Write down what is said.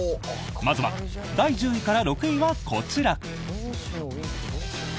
まずは第１０位から６位はこちら！